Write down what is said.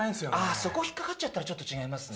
そこひっかかっちゃったら、ちょっと違いますね。